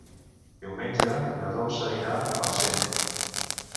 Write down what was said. Diumenge na Dolça irà a Parcent.